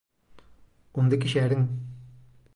Onde quixeren.